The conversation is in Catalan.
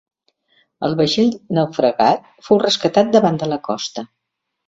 El vaixell naufragat fou rescatat davant de la costa.